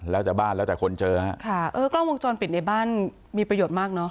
แล้วแต่บ้านแล้วแต่คนเจอฮะค่ะเออกล้องวงจรปิดในบ้านมีประโยชน์มากเนอะ